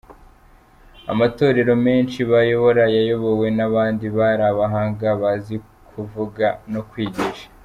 Amatorero menshi bayobora yayobowe n’abandi bari abahanga bazi kuvuga no kwigisha.